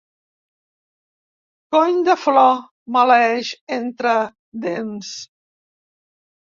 Cony de Flor! —maleeix entre dents.